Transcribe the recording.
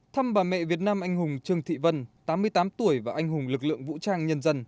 thăm bà mẹ việt nam anh hùng trương thị vân tám mươi tám tuổi và anh hùng lực lượng vũ trang nhân dân